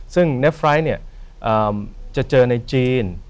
ซึ่งเนฟไลท์เนี่ยจะเจอในจีน